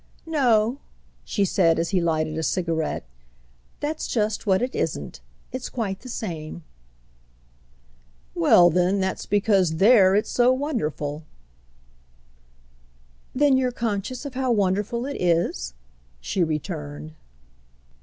"No," she said as he lighted a cigarette, "that's just what it isn't. It's quite the same." "Well, then, that's because 'there' it's so wonderful!" "Then you're conscious of how wonderful it is?" she returned.